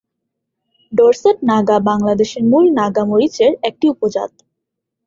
Dorset Naga বাংলাদেশের মূল নাগা মরিচের একটি উপজাত।